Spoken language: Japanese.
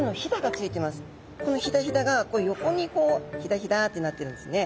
このヒダヒダが横にヒダヒダってなってるんですね。